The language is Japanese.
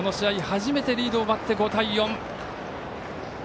初めてリードを奪って５対４。